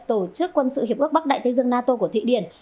tổ chức quân sự hiệp ước bắc đại tây dương nato của thụy điển